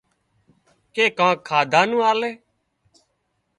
ڪي ڪانڪ کاڌا نُون آلي